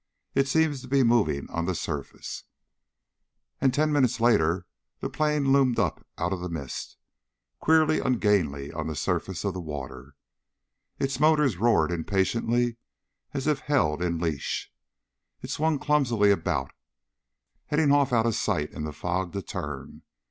It seems to be moving on the surface." And ten minutes later the plane loomed up out of the mist, queerly ungainly on the surface of the water. Its motors roared impatiently as if held in leash. It swung clumsily about, heading off out of sight in the fog to turn.